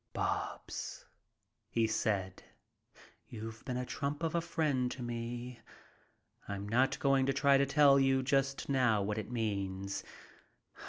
"Bobs," he said, "you've been a trump of a friend to me. I'm not going to try to tell you just now what it means.